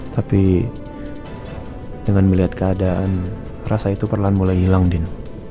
tapi dengan melihat keadaan rasa itu perlahan mulai hilang dino